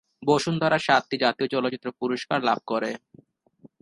বসুন্ধরা সাতটি জাতীয় চলচ্চিত্র পুরস্কার জয়লাভ করে।